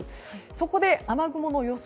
そこで雨雲の予想